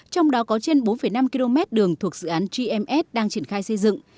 trong đó có trên bốn năm km đường thuộc dự án gms đang triển khai xây dựng